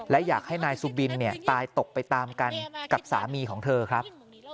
และอยากให้นายสุบินตายตกไปตามกันกับสามีของเธอครับ